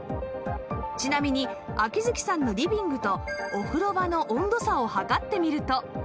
ちなみに秋月さんのリビングとお風呂場の温度差を測ってみると